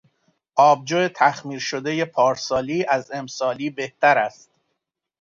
آبجو تخمیر شدهی پارسالی از امسالی بهتر است.